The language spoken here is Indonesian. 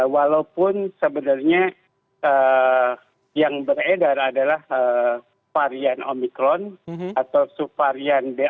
walaupun sebenarnya yang beredar adalah varian omicron atau subvarian b empat atau b lima